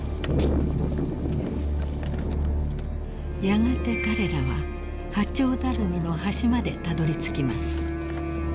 ［やがて彼らは八丁ダルミの端までたどりつきます］